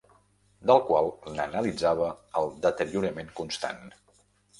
Del qual n'analitzava el deteriorament constant.